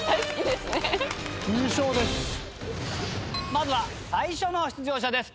まずは最初の出場者です。